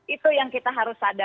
itu yang kita harus sadar